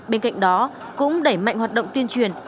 bên cạnh đó cũng đẩy mạnh hoạt động tuyên truyền